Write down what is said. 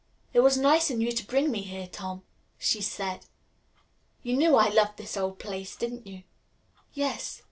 "It was nice in you to bring me here, Tom," she again said. "You knew I loved this old place, didn't you?" "Yes.